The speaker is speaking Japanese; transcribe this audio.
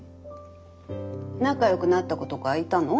仲よくなった子とかいたの？